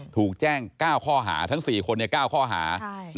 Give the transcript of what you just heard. ถูกแจ้ง๙ข้อหาทั้ง๔คน๙ข้อหา